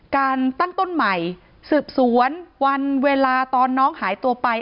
การตั้งต้นใหม่สืบสวนวันเวลาตอนน้องหายตัวไป